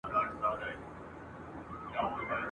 قتلګاه دپرنګيانو !.